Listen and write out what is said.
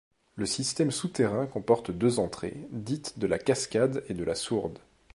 Le système souterrain comporte deux entrées, dites de la Cascade et de la Sourde.